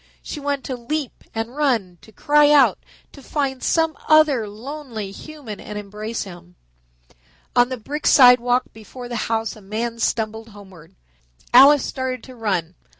She wanted to leap and run, to cry out, to find some other lonely human and embrace him. On the brick sidewalk before the house a man stumbled homeward. Alice started to run.